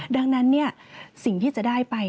ดังนั้นสิ่งที่จะได้ไป